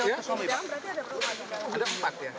berarti ada berapa